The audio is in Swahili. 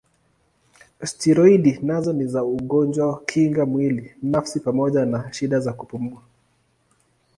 Steroidi nazo ni za ugonjwa kinga mwili nafsi pamoja na shida za kupumua.